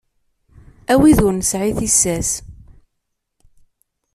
A wid ur nesɛi tissas.